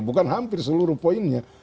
bukan hampir seluruh poinnya